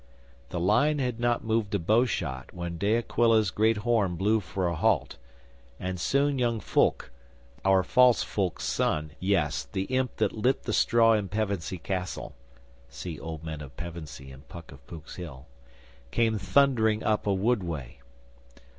'The line had not moved a bowshot when De Aquila's great horn blew for a halt, and soon young Fulke our false Fulke's son yes, the imp that lit the straw in Pevensey Castle [See 'Old Men at Pevensey' in PUCK OF POOK'S HILL.] came thundering up a woodway.